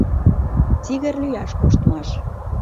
ТИГР ЛӰЯШ КОШТМАШ